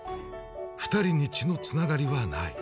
２人に血のつながりはない。